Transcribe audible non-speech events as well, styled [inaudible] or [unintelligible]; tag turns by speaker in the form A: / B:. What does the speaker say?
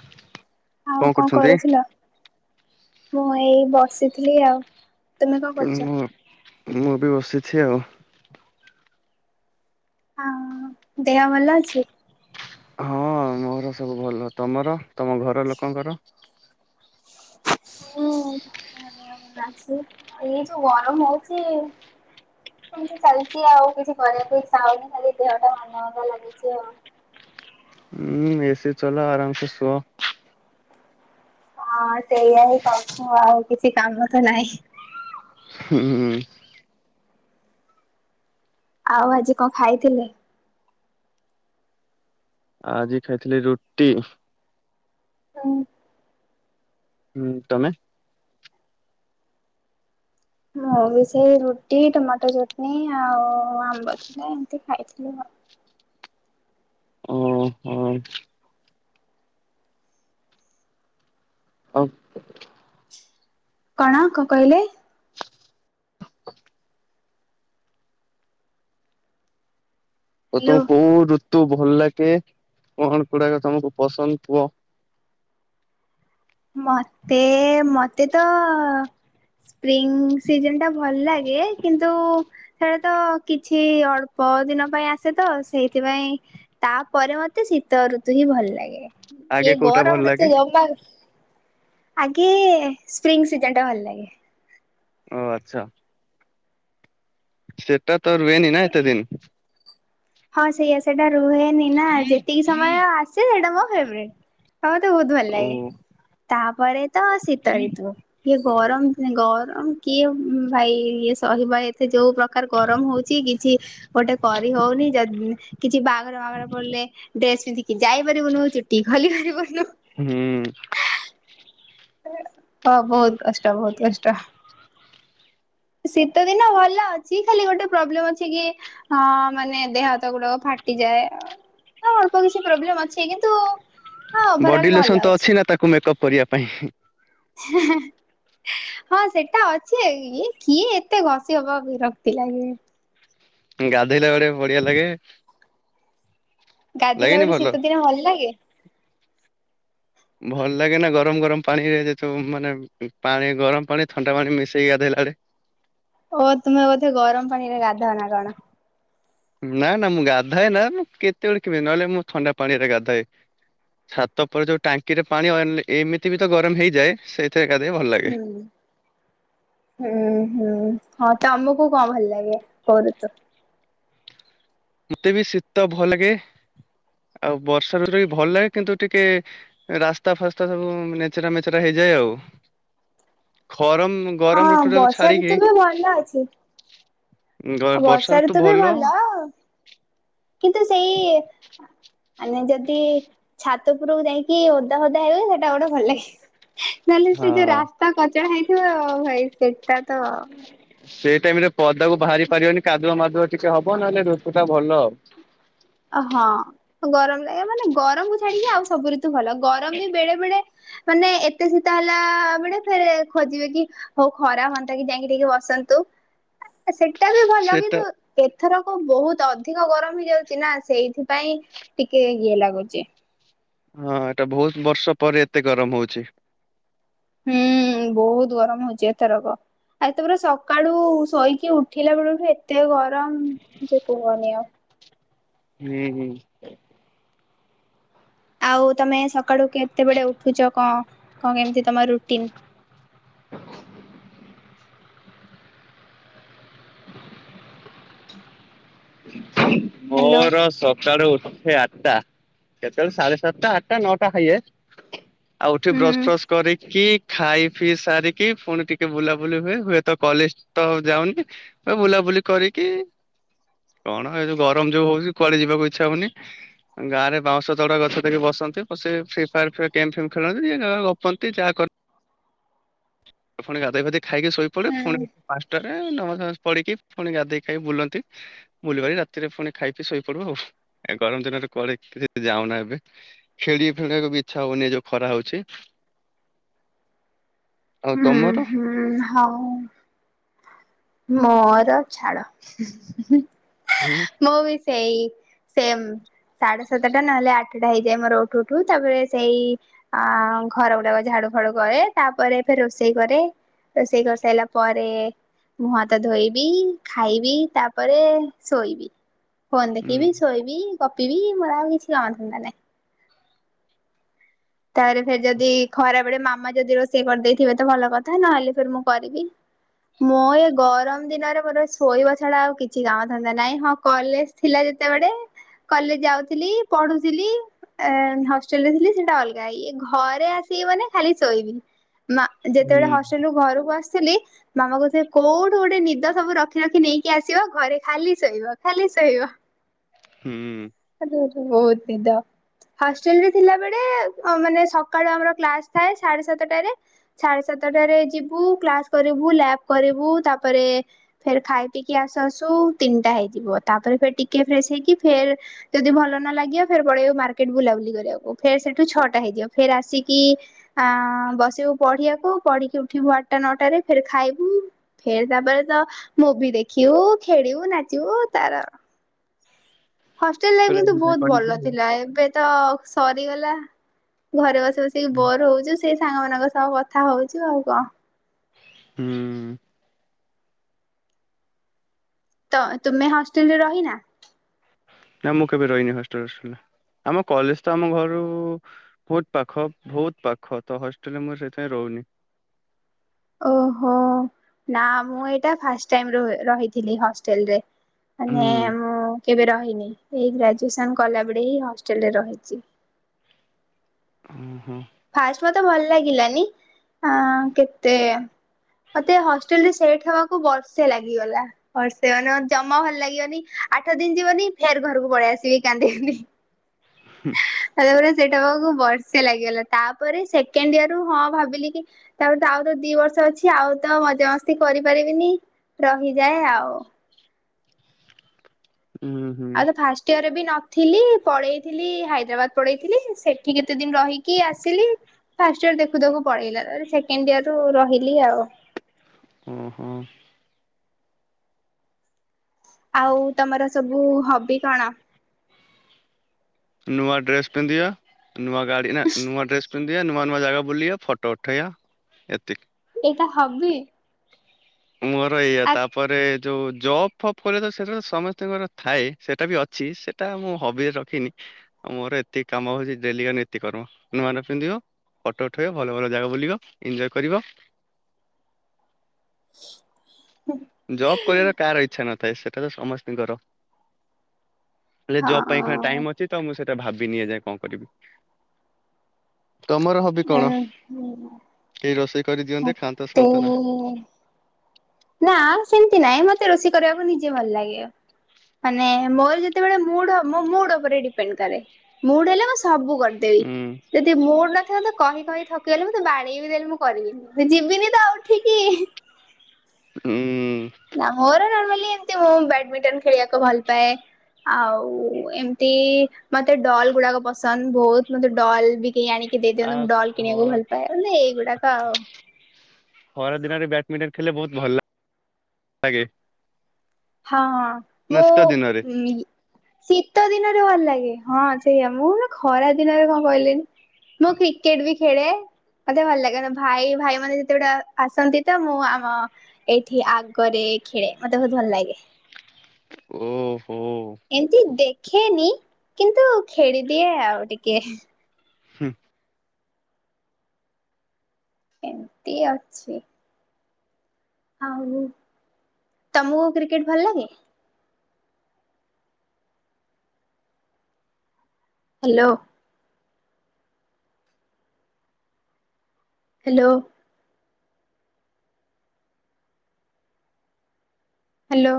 A: [inaudible]
B: ଆଉ
A: କଣ କରୁଛନ୍ତି?
B: କରୁଥିଲ? ମୁଁ ଏଇ ବସିଥିଲି ଆଉ। ତୁମେ କଣ କରୁଛ?
A: ମୁଁ ମୁଁ ବି ବସିଛି ଆଉ।
B: ହଁ ଦେହ ଭଲ ଅଛି।
A: ହଁ ମୋର ସବୁ ଭଲ ତମର । ତମ ଘର ଲୋକଙ୍କର । [unintelligible]
B: ହୁଁ ଭଲ ଅଛି ଆଉ ଏଇ ଯୋଉ ଗରମ ହଉଛି ସେମିତି ଚାଲିଛି ଆଉ କିଛି କରିବାକୁ ଇଚ୍ଛା ହଉନି ଖାଲି ଦେହ ଟା ମାନ୍ଦା ମାନ୍ଦା ଲାଗୁଛି ଆଉ।
A: ହୁଁ ଏସି ଚଲାଅ ଆରାମସେ ଶୁଅ।
B: ହଁ ସେଇଆ ହିଁ କରୁଛୁ ଆଉ କିଛି କାମ ତ ନାହିଁ।
A: ହୁଁ ହୁଁ।
B: ଆଉ ଆଜି କଣ ଖାଇଥିଲେ?
A: ଆଜି ଖାଇଥିଲି ରୁଟି। ହୁଁ ତମେ ।
B: ମୁଁ ବି ସେ ରୁଟି, ଟମାଟୋ ଚଟନି ଆଉ ଆଉ ଆମ୍ବ [unintelligible] ଖାଇଥିଲି ।
A: ଓ ହୋ ଆଉ
B: କଣ କ କହିଲେ?
A: ଆଉ ତମକୁ
B: ହ୍ୟାଲୋ।
A: କୋଉ ଋ ତୁ ଭଲ ଲାଗେ କୋଉ ଋତୁ ଟା ତମକୁ ପସନ୍ଦ କୁହ।
B: ମତେ ମତେ ତ ସ୍ପ୍ରିଙ୍ଗ ସିଜନ ଟା ଭଲ ଲାଗେ କିନ୍ତୁ ସେଟା ତ କିଛି ଅଳ୍ପ ଦିନ ପାଇଁ ଆସେ ତ ସେଇଥିପାଇଁ ତାପରେ ମତେ ଶୀତ ଋତୁ ହିଁ ଭଲ ଲାଗେ।
A: ଆଗେ
B: ଏ
A: କୋଉଟା ଭଲ
B: ଗରମରେ ତ
A: ଲାଗେ?
B: ଜମାରୁ ଆଗେ ସ୍ପ୍ରିଙ୍ଗ ସିଜନ ଟା ଭଲ ଲାଗେ।
A: ଓ ଆଚ୍ଛା। ସେଟା ତ ରୁହେନି ନା ଏତେ ଦିନ।
B: ହଁ ସେଇଆା ସେଇଟା ରୁହେନି ନା ଯେତିକି ସମୟ ଆସେ ସେଇଟା ହଁ ଫେବଟ ହଉ ତ ବହୁତ ଭଲ
A: ଓ
B: ଲାଗେ ତା ବରେ ତାସୀତାରୁ ଗରମ ଗରମ କିଏ ଭାଇ ଇଏ ସହିବା ଏତେ ଯୋଉ ପ୍ରକାର ଗରମ ହଉଛି କିଛି ଗୋଟେ କରି ହଉନି କିଛି ବାଘର ବାଘର ପଡିଲେ ଡ୍ରେସ ପିନ୍ଧିକି ଯାଇ ପାରିବୁନୁ ଚୁଟି ଖୋଲି ପାରିବୁନୁ
A: ହୁଁ
B: ହଁ ବହୁତ କଷ୍ଟ ବହୁତ କଷ୍ଟ ଶୀତ ଦିନ ଭଲ ଅଛି ଖାଲି ଗୋଟେ ପ୍ରୋବ୍ଲେ ଅଛି କି ହ ମାନେ ଦେହ ହାତ ଗୁଡା ଫାଟିଯାଏ ଅଳ୍ କିଛି୍ ଅଛି କିନ୍ତୁ ହଁ ଓଭରଅଲ
A: ବଡି
B: ଭଲ
A: ଲୋସନ ତ ଅଛି ନା ତାକୁ ମେକପ କରିବା ପାଇଁ।
B: ହଁ ସେଟା ଅଛି କିଏ ଏତେ ଘଷ ହବ ବିରକ୍ତି ଲାଗେ
A: ଗାଧୋଇଲେ ବଡେ ବଢିଆ ଲାଗେ।
B: ଗାଧୋଇଲା
A: ଲାଗେନି
B: ବୋଟେ
A: ଭଲ?
B: ଶୀତ ଦିନ ଭଲ ଲାଗେ
A: ଭଲ ଲାଗେ ନା ଗରମ ଗରମ ପାଣିରେ ଯେତୁ ମାନେ ପାଣି ଗରମ ପାଣି ଥଣ୍ଡା ପାଣି ମିଶେଇ ଗଧୋଇଲାବେଳେ।
B: ଓ ତୁମେ ବୋଧେ ଗରମ ପାଣିରେ ଗାଧାଅ ନା କଣ?
A: ନା ନା ମୁଁ ଗାଧାଏ ନା ମୁଁ କେତେବେଳେ କେମିତି ନହେଲେ ମୁଁ ଥଣ୍ଡା ପାଣି ରେ ଗାଧାଏ ଛାତ ପରେ ଯୋଉ ଟାଙ୍କିରେ ପାଣିିଲ ଏମିତି ବି ତ ଗରମ ହେଇଯାଏ ସେଇଥିରେ ଗାଧେଇ ଭଲ ଲାଗେ।
B: ହୁଁ ହୁଁ ହୁଁ ହଁ ତ ଆମକୁ କଣ ଭଲ ଲାଗେ କ ତୁ
A: ମତେ ବି ଶୀତ ଭଲ ଲାଗେ ଆଉ ବର୍ଷା ଋ ବି ଭଲ ଲାଗେ କିନ୍ତୁ ଟିକେ ରାସ୍ତା ଫାସ୍ତା ସବୁ ନେଚେରା ମେଚେରା ହେଇଯାଏ ଆଉ ଖରମ ଗରମ
B: ହଁ
A: ଋତୁ ଟାକୁ
B: ବର୍ଷା
A: ଛାଡିକି
B: ତୁ ବି ଭଲ ଅଛି।
A: ଗ- ବର୍ଷା
B: ବର୍ଷାରେ
A: ଋତୁ
B: ତ ବି ଭଲ କିନ୍ତୁ ସେଇ ମାନେ ଯଦି ଛାତପୁରକୁ ଯାଇକି ଓଦା ହଦା ହେବେ ସେଟା ଗୋଟେ ଭଲ ଲାଗେିବ। ନହେଲେ
A: ହଁ
B: ସେ ଯୋଉ ରାସ୍ତା କଚଡା ହେଇଥିବ ଭାଇ ସେଟା ତ
A: ସେଇ ଟାଇମ ରେ ପଦାକୁ ବାହାରି ପାରିବନି କାଦୁଆ ମାଦୁଆ ଟିକେ ହବ ନହେଲେ ରୁତ ପଟା ଭଲ ଆଉ।
B: ଓ ହଁ ଗରମ ଲାଗେ ମାନେ ଗରମକୁ ଛାଡିକି ଆଉ ସବୁ ଭଲ ଗରମ ବି ବେଳେ ବେଳେ ମାନେ ଏତେ ଶୀତ ହେଲା ବେଳେ ଫ ଖୋଜିବେ କି ହଉ ଖରା ହୁଅନ୍ତା କି ଯାଇକିି ବସନ୍ତୁ ସେ ଏଟା ବି ଭଲ
A: ସେଟା
B: କିନ୍ତୁ ଏଥରକ ବହୁତ ଅଧିକ ଗରମ ହେଇଯାଉଛି। ନା ସେଇଥିପାଇଁ ଟିକେ ଇଏ ଲାଗୁଛି।
A: ହଁ ଏଟା ବହୁତ ବର୍ଷ ପରେ ଏତେ ଗରମ ହଉଛି।
B: ହୁଁ ବହୁତ ଗରମ ହଉଚି ଏ ଥରକ ।ଆଉ ଏତେ ପୁରା ସକାଳୁ ଶୋଇକି ଉଠିଲା ବେଳଠୁ ଏତେ ଗରମ ସେ କୁହନି ଆଉ।
A: ହୁଁ ହଁ।
B: ଆଉ ତମେ ସକାଳୁ କେତେବେଳେ ଉଠୁଛ କଣ କଣ କେମିତି ତମ ରୁଟିନ୍? ହ୍ୟାଲୋ
A: ମୋର ସକାଳୁ ଉଠି ଉଠେ ଆଠଟା କେତେବେଳେ ସାଢେ ସାତଟା ଆଠଟା ନଅଟା ହେଇଯାଏ। ଆଉ ଉଠି
B: ହୁଁ।
A: ବ୍ରସ
B: ହୁଁ।
A: ଫ୍ରସ କରିକି ଖାଇ ପିଇ ସାରିକି ପୁଣି ଟିକେ ବୁଲାବୁଲି ହୁଏ ହୁଏତ କଲେଜ ତ ଯାଉନି ହୁ ବୁଲାବୁଲି କରିକି କଣ ଏ ଯଉ ଗରମ ଯୋଉ ହଉଛି କୁଆଡେ ଯିବାକୁ ଇଚ୍ଛା ହଉନି। ଗାଁରେ ବାଉଁ ତଉଡା ଗଛ ଦେଇକି ବସନ୍ତି ବସିକ ଫ୍ରି ଫାୟାର୍ ଫ କେମ୍ ଫେମ୍ ଖେଳନ୍ତି ଯିଏ ଗା ଗପନ୍ତି ଯାହା କରନ୍ତି। ଆପଣ ଗାଧେ ପାଧେ ଖାଇକି ଶୋଇପଡ଼େ
B: ହୁଁ
A: ପୁଣି ପାଞ୍ଚଟା ରେ ନମାଜ ନଜ ପଢିକି ପୁଣି ଗାଧେଇ ଖାଇ ବୁଲନ୍ତି ବୁଲିବାରି ରାତିରେ ପୁଣି ଖାଇ ପି ଶୋଇପଡିବି ଆଉ। ଗରମ ଦିନରେ କରେ ଯାଉନା ଏବେ ଖେଳି ଫେଳିବାକୁ ବି ଇ୍ଛା ହଉନି ଯୋଉ ଖରା ହଉଛି। ଆଉ
B: ହୁଁ
A: ତମର?
B: ହୁଁ ହଁ। ମୋର ଛାଡ଼।
A: ହୁଁ।
B: ସେଇ ସେମ ସାଢେ ସାତଟା ନହେଲେ ଆଠଟା ହେଇଯାଏ ମୋର ଉଠୁ ଉଠୁ। ତାପରେ ସେଇ ଅ ଘର ଗୁଡାକ ଝାଡୁ ଫାଡୁ କରେ ତାପରେ ରୋଷେଇ କରେ। ରୋଷେଇ କରିସାରିଲା ପରେ ମୁହଁ ହାତ ଧୋଇବି ଖାଇବି ତାପରେ ଶୋଇବି। ଫୋନ୍
A: ହୁଁ
B: ଦେଖିବି ଶୋଇବି। କପି ବି ମୋର ଆଉ କିଛି କାମ ଧନ୍ଦା ନାଇଁ। ତାରେ ଫ ଯଦି ଖରା ବଳେ ମାମା ଯଦି ରୋଷେଇ କରିଦେଇଥିବେ ତ ଭଲ କଥା ନହେଲେ ଫ ମୁଁ କରିବି। ମୁଁ ଏ ଗରମ ଦିନରେ ମୋର ଶୋଇବ ଛଡା ଆଉ କିଛି କାମ ଥାନ୍ତା ନାଇଁ ହଁ କଲେଜ ଥିଲା ଯେତେବେଳେ କଲେ ଯାଉଥିଲି ପଢୁଥିଲି। ଏ ହଷ୍ଟେଲ ରେ ଥିଲି। ଡା ଇ ଘରେ ଆସି ମାନେ ଖାଲି ଶୋଇବି। ମା
A: ହୁଁ
B: ଯେତେବେଳେ ହଷ୍ଟେଲ ରୁ ଘରକୁ ଆସ ଖାଲି ମାମା କ ସେ କୋଉଠୁ ଗୋଟେ ନିଦ ସବୁ ରଖି ରଖି ନେଇକି ଆସିବ ଘରେ ଖାଲି ଶୋଇବ ଖାଲି ଶୋଇବ।
A: ହୁଁ।
B: ବହୁତ ନିଦ ହଷ୍ଟେଲ ରେ ଥିଲା ବଳେ ମାନେ ସକାଳୁ ଆମର କ୍ସ ଥାଏ ସାଢେ ସାତଟ ସାଢେ ସାତଟ ଯିବୁ କ୍ଲାସ୍ କରିବୁ ତାପରେ ଫ ଖାଇ ପିଇକି ଆସୁ ଆସୁ ତିନିଟା ହେଇଯିବ ତାପରେ ଫ ଟିକେ ଫ୍ର ହେଇକି ଫେ ଯଦି ଭଲ ନ ଲାଗିବ ଫେର ପଳେଇବୁ ମାର୍କେଟ ବୁଲାବୁଲି କରିବାକୁ। ଫେ ସେଠୁ ଛଅଟା ହେଇଯିବ ଫେର ଆସିକି ବସିବୁ ପଢିବାକୁ ପଢିକି ଉଠିବୁ ଆଠଟା ନଅଟରେ ଫ ଖାଇବୁ ଫେର ତାପରେ ତ ମୁଭି ଦେଖିବୁ ଖେଳିବୁ ନାଚିବୁ ତାର। ହଷ୍ଟେଲ ଲାଇଫ
A: ପୁରା
B: କିନ୍ତୁ
A: ଏଞ୍ଜୟ
B: ବହୁତ
A: କରିକି
B: ଭଲ
A: ଆଉ।
B: ଥିଲା ।ଏବେ ତ ସରିଗଲା ଘରେ ବସ ସେଇ ବୋର ହଉଛୁ। ସେଇ ସାଙ୍ଗମାନାନଙ୍କ ସହ କଥା ହଉଚୁ ଆଉ କଣ?
A: ହୁଁ।
B: ତ ତୁମେ ହଷ୍ଟେଲରେ ରହିନା।
A: ନା ମୁଁ କେବେ ରହିନି ହଷ୍ଟେଲ ଫଷ୍ଟେଲ ଆମ କଲେଜ ତ ଆମ ଘରୁ ବହୁତ ପାଖ ବହୁତ ପାଖ ତ ହଷ୍ଟେଲରେ ମୁଁ ସେଥିାଇଁ ରହୁନି।
B: ଓହୋ ନା ମୁଁ ଏଇଟା ଫାଷ୍ଟ ଟାଇମ୍ ରୁହେ ରହିଥିଲି ହଷ୍ଟେଲରେ ମାନେ
A: ହୁଁ
B: ମୁଁ କେବେ ରହିନି ଏଇ ଗ୍ରାଜୁଏସନ କଲାବେଳେ ହିଁ ହଷ୍ଟେଲରେ ରହିଚି।
A: ଉଁ ହୁଁ
B: ଫାଷ୍ଟ୍ ମତେ ଭଲ୍ ଲାଗିଲାନି ଆଁ କେତେ ମତେ ହଷ୍ଟେଲ୍ ରେ ସେଟ୍ ହବାକୁ ବର୍ଷେ ଲାଗିଗଲା ବର୍ଷେ ମାନେମତେ ଜମା ଭଲ୍ ଲାଗିବନି ଆଠ ଦିନ ଯିବନି ଫେର୍ ଘରକୁ ପଳେଇ ଆସିବି କାନ୍ଦି କାନ୍ଦି।
A: ହୁ
B: ତାପରେ ସେଇଟା [unintelligible] ବର୍ଷେ ଲାଗିଗଲା। ତାପରେ ସେକେଣ୍ଡ ଇୟର ରୁ ହଁ ଭାବିଲି କି ତାପରେ ତ ଆଉ ତ ଦି ବର୍ଷ ଅଛି ଆଉ ତ ମଜାମସ୍ତି କରିପାରିବିନି ରହିଯାଏ ଆଉ।
A: ହୁଁ ହୁଁ
B: ଆଲୋ ଫାଷ୍ଟ ଇୟରରେ ବି ନ ନଥିଲି ପଳେଇଥିଲି ହାଇଦ୍ରାବାଦ୍ ପଳେଇଥିଲି ସେଠି କେତେ ଦିନ ରହିକି ଆସିଲି ଫାଷ୍ଟ୍ ଇଅର୍ ଦେଖୁ ଦେଖୁ ପଳେଇଲା ସେକେଣ୍ଡ୍ ଇୟର୍ ରୁ ରହିଲି ଆଉ।
A: ଉ ହୁ
B: ଆଉ ତମର ସବୁ ହବି କଣ?
A: ନୂଆଡ୍ରେସ୍ ପିନ୍ଧିବା। ନୂଆ ଗାଡ଼ି ନା ନୂଆଡ୍ରେସ ପି ଟ ନୂଆ ନୂଆ ଜାଗା ବୁଲିବା ଫଟୋ ଉଠେଇବା ଏତିକି।
B: ଏଇଟା ହବି?
A: ମୋର ଏଇୟା
B: ଆ
A: ତାପରେ ଯୋଉ ଜବ୍ ଫବ୍ କଲେ ତ ସେଟା ସମସ୍ତଙ୍କର ଥାଏ ସେଇଟା ବି ଅଛି ସେଇଟା ମୁଁ ହବିରେ ରଖିନି ଆ ମୋର ଏତକି କାମ ହଉଚି ଡେଲି କା ନିତି କର୍ମ ନୂଆ ନୂଆ ପିନ୍ଧିବ ଫଟୋ ଉଠେଇବ ଭଲ ଭଲ ଜାଗା ବୁଲିବ ଇଞ୍ଜୟ୍ କରିବ ଜବ୍ କରିବାର କାହାର ଇଚ୍ଛା ନ ଥାଏ ସେଟା ତ ସମସ୍ତିଙ୍କର। ହେଲେ ଜବ ପାଇଁ
B: ହଁ
A: ଟାଇମ ଅଛି ତ ମୁଁ ସେ ଭାବିନି ଏଯାଏ କଣ କରିବି। ତମର ହବି କଣ
B: ଉଁ
A: କେଇ ରୋଷେଇ କରିଦିଅନ୍ତେ ଖାଆନ୍ତ
B: ତେ
A: ଶୁଅନ୍ତ ନା?
B: ନା ସେମିତି ନାଇଁ ମତେ ରୋଷେଇ କରିବାକୁ ନିଜେ ଭଲ ଲାଗିବ ମାନେ ମୋର ଯେତେବେଳେ ମୁଡ୍ ମୋ ମୁଡ୍ ଉପରେ ଡିପେଣ୍ଡ୍ କରେ ମୁଡ୍ ହେଲେ ବଶ୍ ସବୁ କରିଦେବି
A: ହୁଁ
B: ଯଦି ମୁଡ୍ ନ ଥିବ ତ କହି କହି ଥକିଗଲି ମୁଁ ତ ବାଡେଇ ବିି ଦେଲେ ମୁଁ କରିବିନି ଯିବିନି ତ ଆଉ ଉଠିକି।
A: ହୁଁ-ଉ।
B: ନା ମୋର ନର୍ମାଲି ମୁଁ ବ୍ୟାଡମିଟନ ଖେଳିବାକୁ ଭଲ ପାଏ ଆଉ ଏମିତି ମତେ ଡଲ୍ ଗୁଡାକ ପସନ୍ଦ ବହୁତ ମତେ ଡଲ୍ ବି କେହି ଆଣିକି କେଦେଇଦିଅନ୍ତୁ
A: ଆଉ
B: ମୁଁ
A: ଖ
B: ଡଲ୍ କିଣିବାକୁ ଭଲ୍ ପାଏ ଏଇଗୁଡାତଉ
A: ଖରା ଦିନରେ ବ୍ୟାଡ୍ମିଣ୍ଟନ୍ ଖେଲେ ବହୁତ ଭଲ ଲାଗେ।
B: ହଁ ହଁ
A: ନା ଶୀତ ଦିନରେ
B: ମୁଁ ଉ ଶୀତ ଦିନରେ ଭଲ ଲାଗେ। ହଁ ସେଇଆ ମୁଁ ନା ଖରା ଦିନରେ କଣ କଇଲେନି ମୁଁ କ୍ରିକେଟ୍ ବି ଖେଳେ ମତେ ଭଲ୍ ଲାଗେ ମ ଭାଇ ଭାଇ ମାନେ ଯେତେବେଳେ ଆସନ୍ତି ତ ମୁଁ ଆମ ଏଇଠି ଆଗରେ ଖେଳେ ମତେ ବହୁତ ଭଲ୍ ଲାଗେ।
A: ଓ।
B: ଏମତି ଦେଖ୍ ଖେନି କିନ୍ତୁ ଖେଳିଦିଏ ଆଉ ଟିକେ
A: ହୁଁ।
B: ଏମ୍ ତି ଅଛି। ହଉ ତମକୁ କ୍ରିକେଟ ଭଲ ଲାଗେ? ହାଲୋ। ହାଲୋ। ହାଲୋ।